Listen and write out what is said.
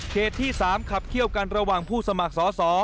ที่๓ขับเขี้ยวกันระหว่างผู้สมัครสอสอ